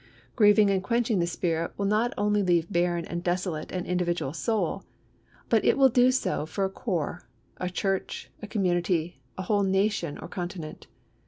Grieving and quenching the Spirit will not only leave barren and desolate an individual soul, but it will do so for a Corps, a church, a community, a whole nation or continent.